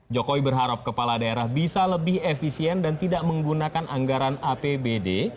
jokowi berharap kepala daerah bisa lebih efisien dan tidak menggunakan anggaran apbd